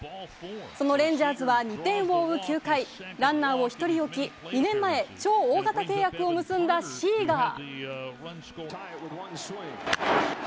そのレンジャーズは２点を追う９回、ランナーを１人置き、２年前、超大型契約を結んだシーガー。